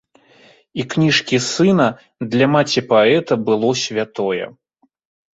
І кніжкі сына для маці паэта было святое.